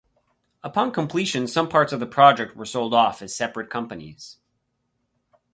Upon completion some parts of the project were sold off as separate companies.